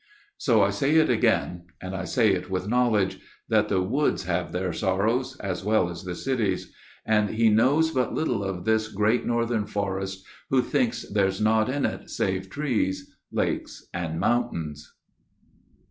So I say it again, and I say it with knowledge, That the woods have their sorrows as well as the cities. And he knows but little of this great northern forest Who thinks there's naught in it save trees, lakes, and mountains.